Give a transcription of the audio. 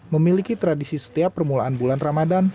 memiliki tradisi setiap permulaan bulan ramadan